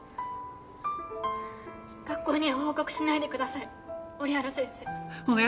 学校には報告しないでください折原先生。